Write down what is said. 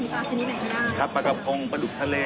แข็งส้มที่ทำจากปัดกดธรรมชาติ